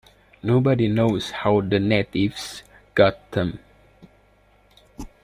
Nobody knows how the natives got them.